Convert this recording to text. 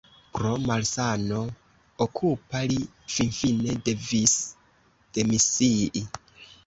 Pro malsano okula li finfine devis demisii.